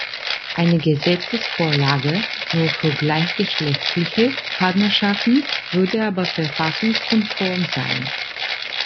Eine Gesetzesvorlage nur für gleichgeschlechtliche Partnerschaften würde aber verfassungskonform sein.